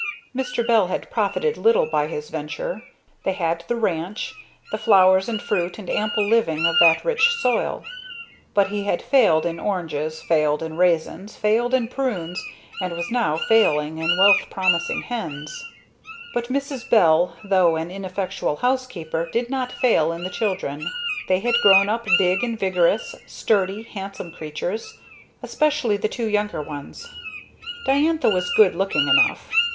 Mr. Bell had profited little by his venture. They had the ranch, the flowers and fruit and ample living of that rich soil; but he had failed in oranges, failed in raisins, failed in prunes, and was now failing in wealth promising hens. But Mrs. Bell, though an ineffectual housekeeper, did not fail in the children. They had grown up big and vigorous, sturdy, handsome creatures, especially the two younger ones. Diantha was good looking enough.